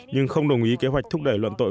nhưng không đồng ý kế hoạch thúc đẩy luận tội